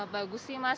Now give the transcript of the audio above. bagus sih mas